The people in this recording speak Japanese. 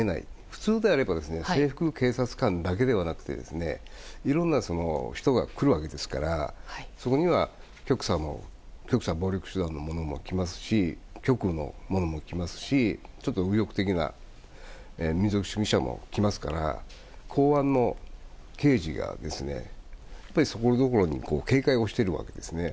普通であれば制服警察官だけではなくていろんな人が来るわけですからそこには極左暴力集団の者も来ますし極右の者も来ますし、右翼的な民族主義者も来ますから公安の刑事が、そこここで警備をしているわけですね。